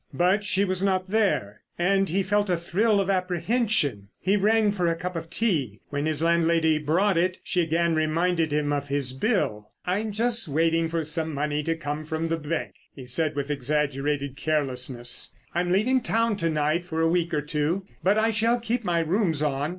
But she was not there, and he felt a thrill of apprehension. He rang for a cup of tea; when his landlady brought it she again reminded him of his bill. "I'm just waiting for some money to come from the bank," he said with exaggerated carelessness. "I'm leaving town to night for a week or two, but I shall keep my rooms on.